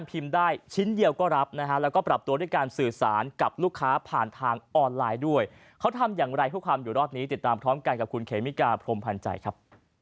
พิมพ์ได้ชิ้นเดียวก็รับนะฮะแล้วก็ปรับตัวด้วยการสื่อสารกับลูกค้าผ่านทางออนไลน์ด้วยเขาทำอย่างไรเพื่อความอยู่รอดนี้ติดตามพร้อมกันกับคุณเขมิกาพรมพันธ์ใจครับ